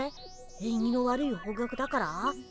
えんぎの悪い方角だから？